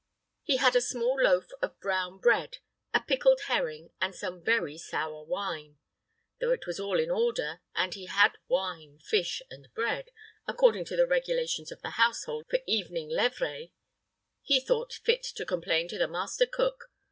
He had a small loaf of brown bread, a pickled herring, and some very sour wine. Though it was all in order, and he had wine, fish, and bread, according to the regulations of the household for evening levrées, he thought fit to complain to the master cook.